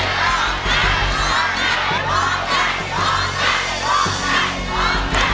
โล่งใจ